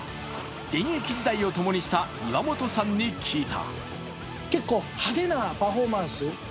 現役時代を共にした岩本さんに聞いた。